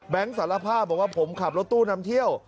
สารภาพบอกว่าผมขับรถตู้นำเที่ยว